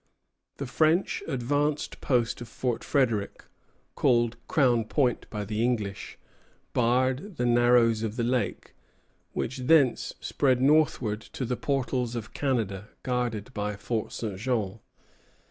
The French advanced post of Fort Frederic, called Crown Point by the English, barred the narrows of the lake, which thence spread northward to the portals of Canada guarded by Fort St. Jean.